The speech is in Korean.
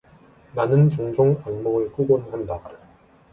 나는 종종 악몽을 꾸곤 한다.